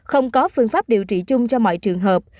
không có phương pháp điều trị chung cho mọi trường hợp